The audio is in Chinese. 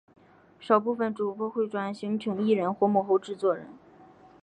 少部份主播会转型成艺人或幕后制作人。